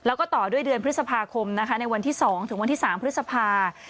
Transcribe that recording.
แล้วก็ต่อด้วยเดือนพฤษภาคมนะคะในวันที่๒ถึงวันที่๓พฤษภา